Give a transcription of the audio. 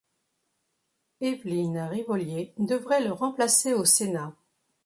Évelyne Rivollier devrait le remplacer au Sénat.